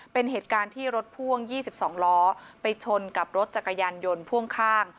เป็นเหตุการณ์ที่รถพ่วง๒๒ล้อไปชนกับรถจักรยานยนต์พ่วงข้าง